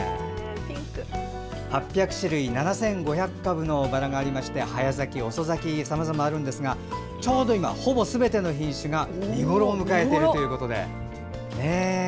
８００種類７５００株のバラがありまして早咲き、遅咲きさまざまあるんですがちょうど今ほぼすべての品種が見頃を迎えているということで。